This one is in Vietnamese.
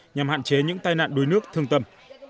nhằm hạn chế những tai nạn đuối nước thương tâm